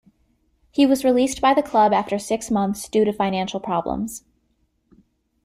He was released by the club after six months due to financial problems.